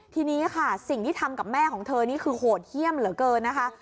ทีนี้ค่ะสิ่งที่ทำกับแม่ของเธอนี่คือโหดเยี่ยมเหลือเกินนะคะ